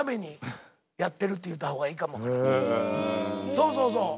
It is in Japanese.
そうそうそう。